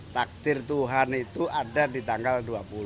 takdir tuhan itu ada di tanggal dua puluh